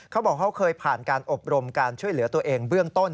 เขาบอกเขาเคยผ่านการอบรมการช่วยเหลือตัวเองเบื้องต้น